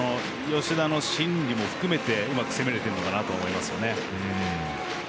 吉田の心理も含めてうまく攻められてるのかなと思います。